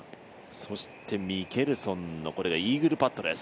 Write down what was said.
そしてミケルソンの、これがイーグルパットです。